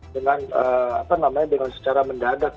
dengan apa namanya dengan secara mendagat